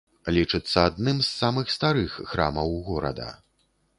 Лічыцца адным з самых старых храмаў горада.